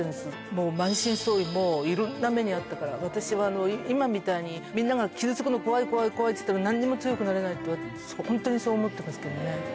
もう満身創痍、もういろんな目に遭ったから、私はもう、今みたいにみんなが傷つくの怖い怖い怖いって言っても、なんにも強くなれないって、本当にそう思ってますけどね。